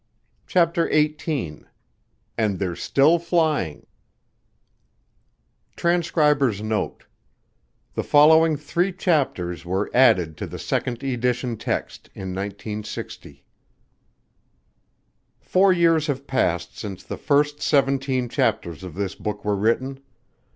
CHAPTER EIGHTEEN And They're Still Flying [Transcriber's Note: The following three chapters were added to the second edition text in 1960.] Four years have passed since the first seventeen chapters of this book were written.